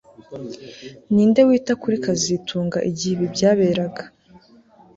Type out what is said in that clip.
Ninde wita kuri kazitunga igihe ibi byaberaga